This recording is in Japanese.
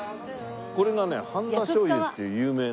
これがね繁田醤油っていう有名な。